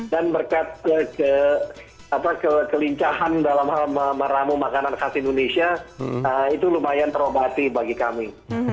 dan berkat kekelincahan dalam hal meramu makanan khas indonesia itu lumayan terobati bagi kami